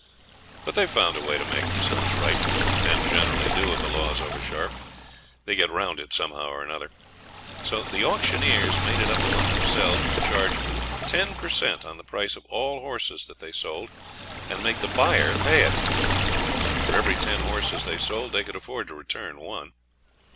But they found a way to make themselves right. Men generally do if a law's over sharp; they get round it somehow or other. So the auctioneers made it up among themselves to charge ten per cent on the price of all horses that they sold, and make the buyer pay it. For every ten horses they sold they could afford to return one.